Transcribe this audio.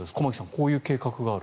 こういう計画がある。